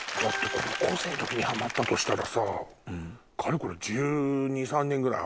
高校生の時にハマったとしたらさかれこれ。